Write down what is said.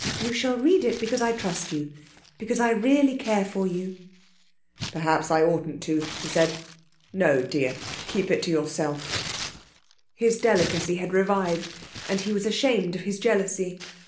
You shall read it because I trust you, because I really care for you.' 'Perhaps I oughtn't to,' he said. 'No, dear; keep it to yourself.' His delicacy had revived and he was ashamed of his jealousy.